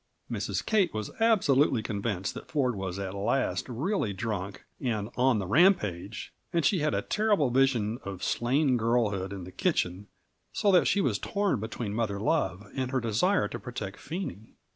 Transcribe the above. Mrs. Kate was absolutely convinced that Ford was at last really drunk and "on the rampage," and she had a terrible vision of slain girlhood in the kitchen, so that she was torn between mother love and her desire to protect Phenie.